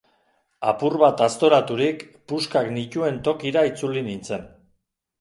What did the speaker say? Apur bat aztoraturik, puskak nituen tokira itzuli nintzen.